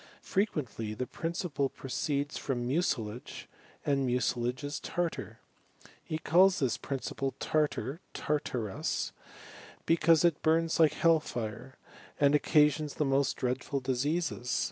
Frequently the principle proceeib from mucilage, and mucilage is tartar. He calls thjj principle iar(arf"iar(arui) hecause it bums like hel^ fire, and occasions the most dreadful diseases.